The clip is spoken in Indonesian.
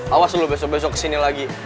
awas loh besok besok kesini lagi